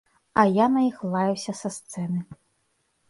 А я на іх лаяўся са сцэны.